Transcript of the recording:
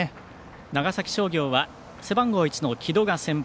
長崎商業は背番号１の城戸が先発。